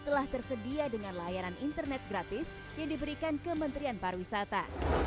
telah tersedia dengan layanan internet gratis yang diberikan kementerian pariwisata